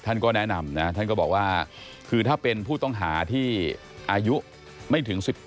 ท่านก็แนะนำนะท่านก็บอกว่าคือถ้าเป็นผู้ต้องหาที่อายุไม่ถึง๑๘